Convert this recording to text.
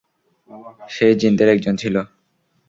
সে জিনদের একজন ছিল।